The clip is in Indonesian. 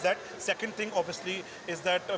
hal pertama adalah itu